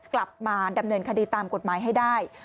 กลับมาดำเนินคดีตามกฎหมายให้ได้